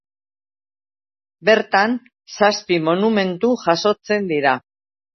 Bertan zazpi monumentu jasotzen dira.